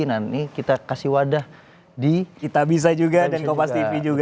nah ini kita kasih wadah di kitabisa juga dan kompastv juga